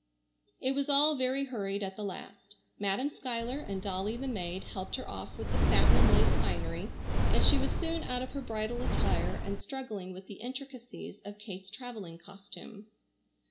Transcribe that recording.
It was all very hurried at the last. Madam Schuyler and Dolly the maid helped her off with the satin and lace finery, and she was soon out of her bridal attire and struggling with the intricacies of Kate's travelling costume.